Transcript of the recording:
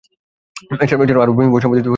এছাড়াও আরও বই সম্পাদিত হয়েছে তার দ্বারা।